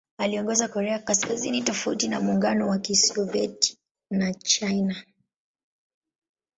Aliongoza Korea Kaskazini tofauti na Muungano wa Kisovyeti na China.